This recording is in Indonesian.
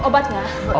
obat gak pak